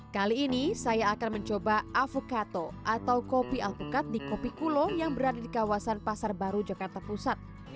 kali ini saya akan mencoba avocato atau kopi alpukat di kopi kulo yang berada di kawasan pasar baru jakarta pusat